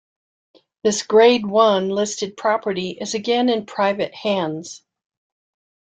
This Grade One listed property is again in private hands.